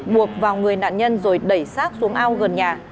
buộc vào người nạn nhân rồi đẩy sát xuống ao gần nhà